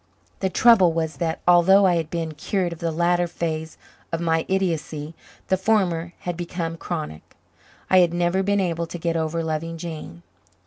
The trouble was that, although I had been cured of the latter phase of my idiocy, the former had become chronic. I had never been able to get over loving Jane.